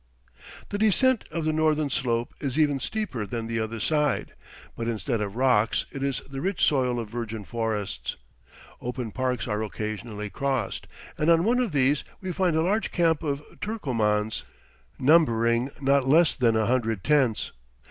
The descent of the northern slope is even steeper than the other side; but instead of rocks, it is the rich soil of virgin forests. Open parks are occasionally crossed, and on one of these we find a large camp of Turcomans, numbering not less than a hundred tents.